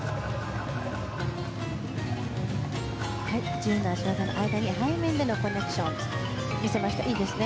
自由な脚技の間に背面でのコネクションを見せました、いいですね。